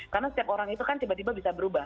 karena setiap orang itu kan tiba tiba bisa berubah